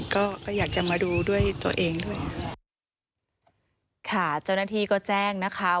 ก็ก็อยากจะมาดูด้วยตัวเองด้วยค่ะเจ้าหน้าที่ก็แจ้งนะคะ